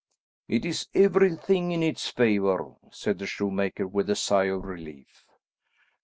"It is everything in its favour," said the shoemaker with a sigh of relief.